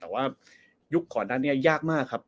แต่ว่ายุคก่อนนั้นเนี่ยยากมากครับ